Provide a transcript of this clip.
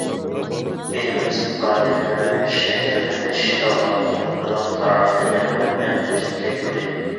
ئېلىمىز تاجىكلىرى شەكىللىنىش داۋامىدا ئۇزاق تارىخىي دەۋرلەرنى باشتىن كەچۈردى.